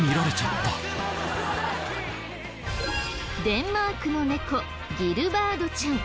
デンマークの猫ギルバートちゃん。